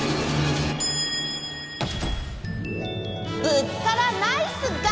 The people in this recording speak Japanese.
ぶつからナイス貝？